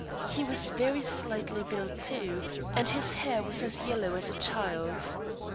He was very slightly built, too, and his hair was as yellow as a child's.